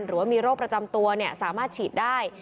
หรือว่ามีโรคประจำตัวสามารถฉีดได้